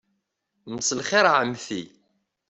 Mselxir a Ɛemti.